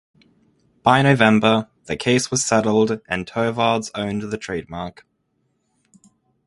By November, the case was settled and Torvalds owned the trademark.